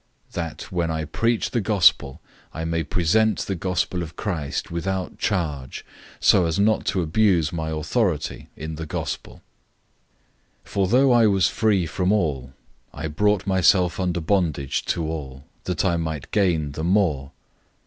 That, when I preach the Good News, I may present the Good News of Christ without charge, so as not to abuse my authority in the Good News. 009:019 For though I was free from all, I brought myself under bondage to all, that I might gain the more.